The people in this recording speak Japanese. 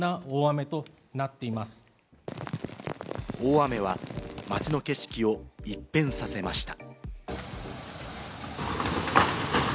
大雨は街の景色を一変させました。